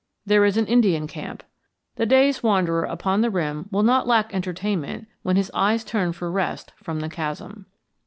There is an Indian camp. The day's wanderer upon the rim will not lack entertainment when his eyes turn for rest from the chasm.